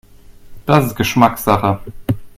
Das ist Geschmackssache.